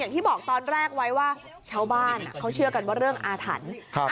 ที่บอกตอนแรกไว้ว่าชาวบ้านเขาเชื่อกันว่าเรื่องอาถรรพ์